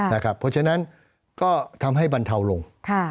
เพราะฉะนั้นก็ทำให้บรรเทาลง